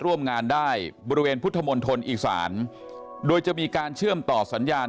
ร่วมงานได้บริเวณพุทธมณฑลอีสานโดยจะมีการเชื่อมต่อสัญญาณ